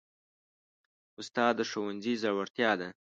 استاد د ښوونځي زړورتیا ده.